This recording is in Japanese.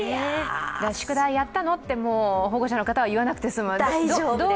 宿題やったの？って保護者の方は言わなくても済むという。